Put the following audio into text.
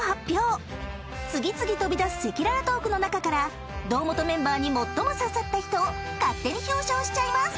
［次々飛び出す赤裸々トークの中から堂本メンバーに最も刺さった人を勝手に表彰しちゃいます］